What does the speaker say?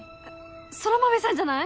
空豆さんじゃない！？